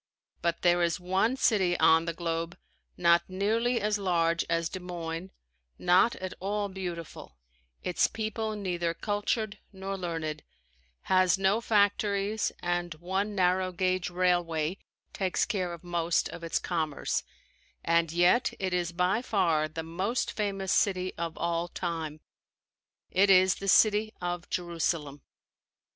But there is one city on the globe not nearly as large as Des Moines, not at all beautiful, its people neither cultured nor learned, has no factories and one narrow gauge railway takes care of most of its commerce, and yet it is by far the most famous city of all time. It is the city of Jerusalem.